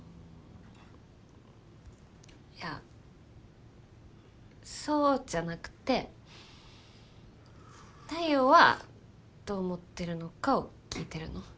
いやそうじゃなくて太陽はどう思ってるのかを聞いてるの。